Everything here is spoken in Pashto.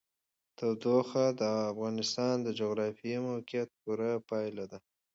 تودوخه د افغانستان د جغرافیایي موقیعت پوره پایله ده.